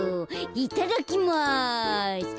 いただきます。